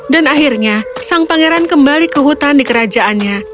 dan akhirnya sang pangeran kembali ke hutan di kerajaannya